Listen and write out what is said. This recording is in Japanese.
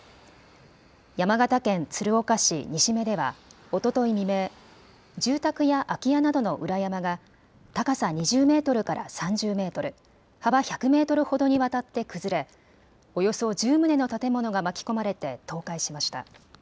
山形県鶴岡市西目ではおととい未明、住宅や空き家などの裏山が高さ２０メートルから３０メートル、幅１００メートルほどにわたって崩れ、およそ１０棟の建物が巻き込まれて倒壊しました。